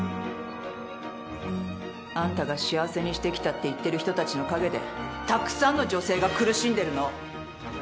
あんたが幸せにしてきたって言ってる人たちの陰でたくさんの女性が苦しんでるの。